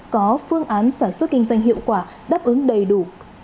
có phương án sản xuất kinh doanh hiệu quả đáp ứng đầy đủ